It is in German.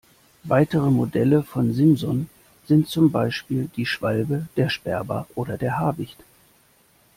Weitere Modelle von Simson sind zum Beispiel die Schwalbe, der Sperber oder der Habicht.